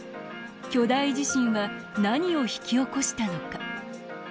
巨大地震は何を引き起こしたのか。